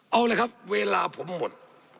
เอาเลยครับเวลาผมหมด